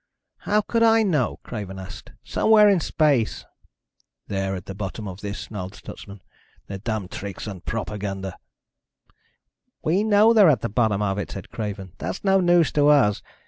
"How could I know?" Craven asked. "Somewhere in space." "They're at the bottom of this," snarled Stutsman. "Their damned tricks and propaganda." "We know they're at the bottom of it," said Craven. "That's no news to us.